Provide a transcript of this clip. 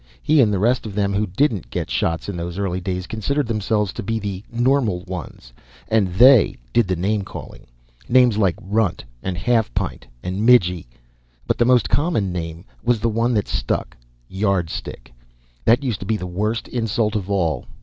He and the rest of them who didn't get shots in those early days considered themselves to be the normal ones. And they did the name calling. Names like "runt" and "half pint" and "midgie." But the most common name was the one that stuck Yardstick. That used to be the worst insult of all.